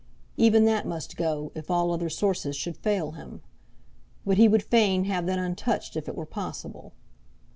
Even that must go, if all other sources should fail him; but he would fain have that untouched, if it were possible.